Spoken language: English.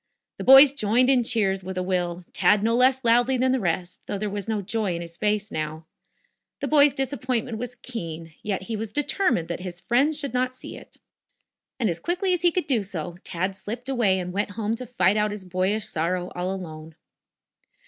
The boys joined in the cheers with a will, Tad no less loudly than the rest, though there was no joy in his face now. The boy's disappointment was keen, yet he determined that his friends should not see it. And, as quickly as he could do so, Tad slipped away and went home to fight out his boyish sorrow all alone.